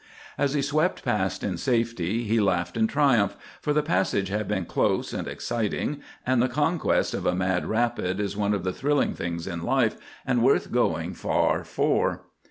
As he swept past in safety he laughed in triumph, for the passage had been close and exciting, and the conquest of a mad rapid is one of the thrilling things in life, and worth going far for.